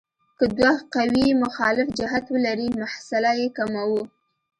که دوه قوې مخالف جهت ولري محصله یې کموو.